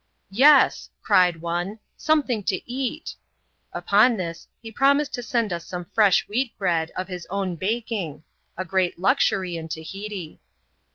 " Yes," cried one, " something to eat." Upon this, he pro mised to send us some fresh wheat bread, of his own baking; a great luxury in Tahiti.